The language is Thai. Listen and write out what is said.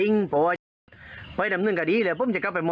นำเนินการตามใช่ไหม